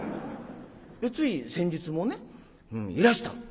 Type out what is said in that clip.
つい先日もねいらしたの。